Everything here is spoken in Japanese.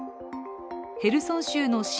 ヘルソン州の親